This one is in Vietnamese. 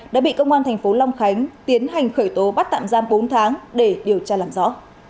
đã bị công an thành phố long khánh tiến hành khởi tố bắt tạm giam bốn tháng để điều tra làm rõ